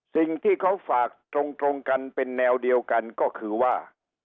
สิ่งที่เขาฝากตรงกันเป็นแนวเดียวกันก็คือว่า